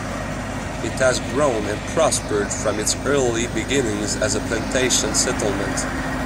It has grown and prospered from its early beginnings as a plantation settlement.